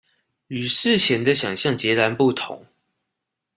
與事前的想像截然不同